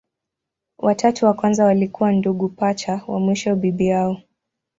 Watatu wa kwanza walikuwa ndugu pacha, wa mwisho bibi yao.